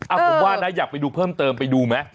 ผมว่านะอยากไปดูเพิ่มเติมไปดูไหม